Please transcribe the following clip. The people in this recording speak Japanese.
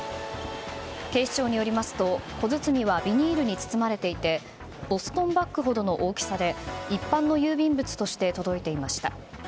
警視庁によりますと小包はビニールに包まれていてボストンバッグほどの大きさで一般の郵便物として届いていました。